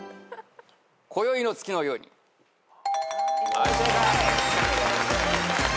はい正解。